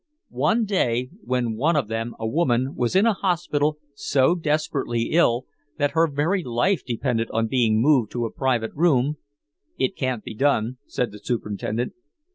One day when one of them, a woman, was in a hospital so desperately ill that her very life depended on being moved to a private room "It can't be done," said the superintendent.